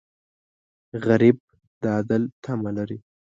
غریب د عدل تمه لري